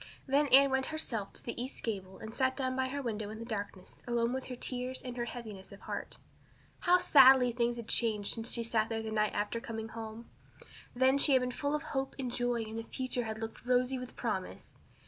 Then Anne went herself to the east gable and sat down by her window in the darkness alone with her tears and her heaviness of heart. How sadly things had changed since she had sat there the night after coming home! Then she had been full of hope and joy and the future had looked rosy with promise.